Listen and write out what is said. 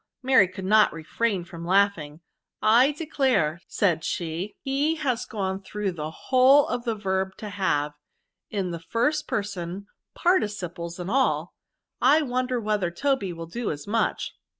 "* Mary could not refrain from laughing; '* I declare,'' said she, '^ he has gone through the whole of the verb to have, in the first person ; participles and all ! I wonder whe ther Toby will do as much."